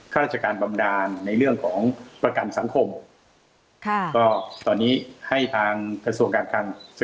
ราชการบำดาลในเรื่องของประกันสังคมก็ตอนนี้ให้ทางกระทรวงการคัง